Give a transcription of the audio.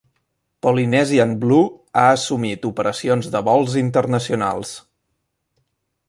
Polynesian Blue ha assumit operacions de vols internacionals.